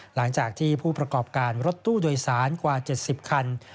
หลังจากที่ผู้ประกอบการรถตู้โดยสารกว่า๗๐คัน